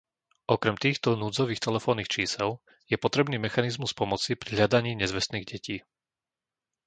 Okrem týchto núdzových telefónnych čísel je potrebný mechanizmus pomoci pri hľadaní nezvestných detí.